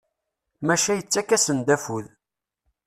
Maca yettak-asen-d afud.